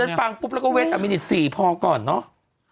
แต่เด็ดจนปังปุ๊บแล้วก็เวทอัมมินิต๔พอก่อนเนอะ